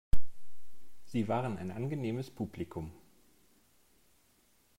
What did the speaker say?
Sie waren ein angenehmes Publikum.